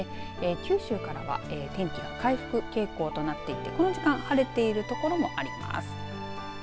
九州からは、天気回復傾向となっていてこの時間、晴れている所もあります。